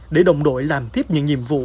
để đồng đội làm tiếp những nhiệm vụ